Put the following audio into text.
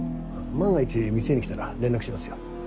万が一店に来たら連絡しますよ。